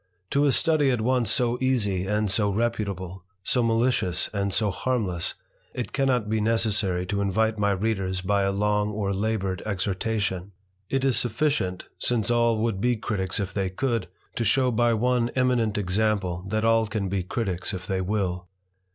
To a study at once so easy and so reputable, so malicio and so harmless, it cannot be necessary to invite my reade by a long or laboured exhortation ; it is sufficient, since a would be Criticks if they could, to shew by one eminer example that all can be Criticks if they will.